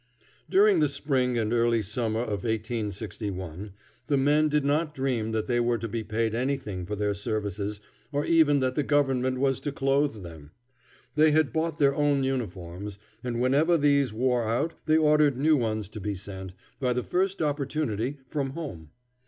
During the spring and early summer of 1861, the men did not dream that they were to be paid anything for their services, or even that the government was to clothe them. They had bought their own uniforms, and whenever these wore out they ordered new ones to be sent, by the first opportunity, from home.